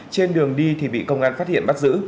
trên đường đi thì bị công an phát hiện bắt giữ